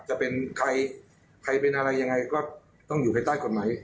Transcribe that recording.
จะเป็นใครใครเป็นอะไรยังไงก็ต้องอยู่ภายใต้กฎหมาย